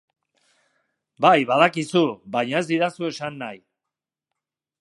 Bai, badakizu, baina ez didazu esan nahi.